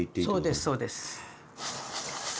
そうですそうです。